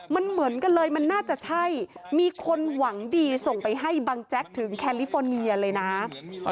มันเหมือนกันเลยมันน่าจะใช่มีคนหวังดีส่งไปให้บังแจ๊กถึงแคลิฟอร์เนียเลยนะ